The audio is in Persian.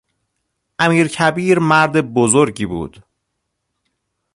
امیرکبیر مرد بزرگی بود.